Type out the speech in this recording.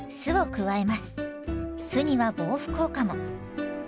酢には防腐効果も。